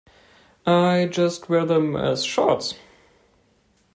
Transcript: I just wear them as shorts.